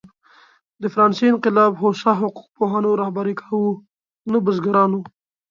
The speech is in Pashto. د فرانسې انقلاب هوسا حقوق پوهانو رهبري کاوه، نه بزګرانو.